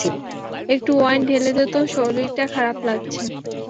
একটু ওয়াইন ঢেলে দে তো, শরীরটা খারাপ লাগছে।